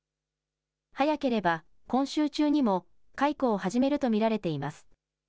早ければ今週中にも解雇を始めると見られています。